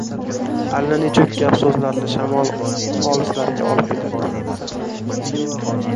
Allanechuk gap-so‘zlarni shamol olislarga olib ketadi.